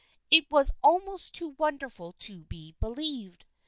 It was almost too wonderful to be believed.